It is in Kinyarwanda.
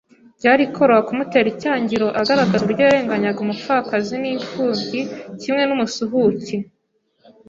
Byari koroha kumutera icyangiro agaragaza uburyo yarenganyaga umupfakazi n'imfubyi kimwe n'umusuhuke